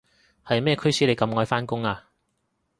係咩驅使你咁愛返工啊？